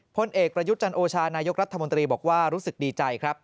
พลเอกประยุทธ์จันโอชานายกรัฐมนตรีบอกว่ารู้สึกดีใจครับ